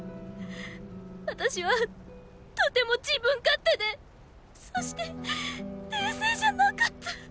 私はとても自分勝手でそして冷静じゃなかった。